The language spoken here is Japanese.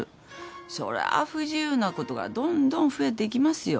そりゃあ不自由なことがどんどん増えていきますよ。